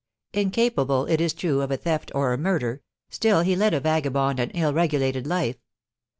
Incapable, it is true, of a theft or a murder, still he led a vagabond and ill regulated life.